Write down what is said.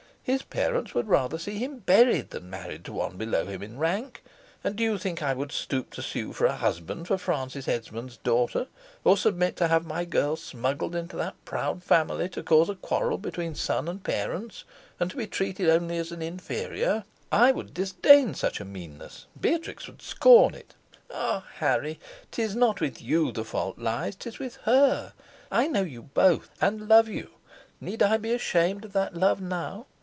His parents would rather see him buried than married to one below him in rank. And do you think that I would stoop to sue for a husband for Francis Esmond's daughter; or submit to have my girl smuggled into that proud family to cause a quarrel between son and parents, and to be treated only as an inferior? I would disdain such a meanness. Beatrix would scorn it. Ah! Henry, 'tis not with you the fault lies, 'tis with her. I know you both, and love you: need I be ashamed of that love now?